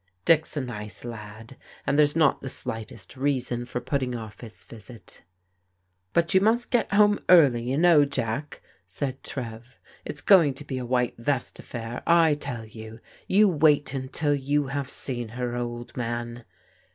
" Dick's a nice lad, and there's not the slight est reason for putting off his visit." " But you must get home early, you know. Jack," said Trev ;" it's going to be a white vest affair, I tell you. You wait until you have seen her, old man